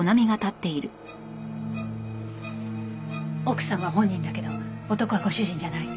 奥さんは本人だけど男はご主人じゃない。